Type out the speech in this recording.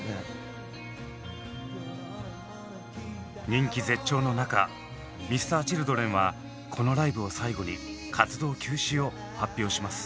人気絶頂の中Ｍｒ．Ｃｈｉｌｄｒｅｎはこのライブを最後に活動休止を発表します。